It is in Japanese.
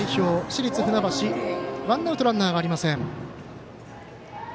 市立船橋ワンアウト、ランナーありません。